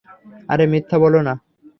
আরে, মিথ্যা বলো না।